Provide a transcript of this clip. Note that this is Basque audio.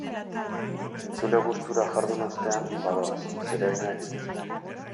Entzule gustura jardun ostean, badoaz, zereginak dituzte.